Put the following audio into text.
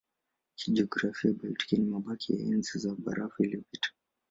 Kijiografia Baltiki ni mabaki ya Enzi ya Barafu iliyopita.